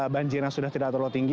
banjirnya sudah tidak terlalu tinggi